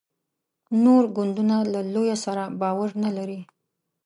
نور ګوندونه له لویه سره باور نه لري.